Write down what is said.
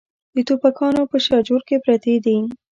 د ټوپکیانو په شاجور کې پرتې دي.